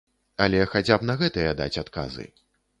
Але хаця б на гэтыя даць адказы.